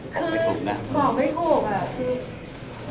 คือบอกไม่ถูกอะคือ